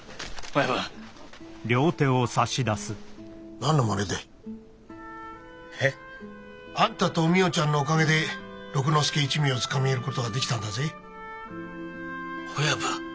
あんたとお美代ちゃんのおかげで六之助一味を捕めえる事ができたんだぜ。親分。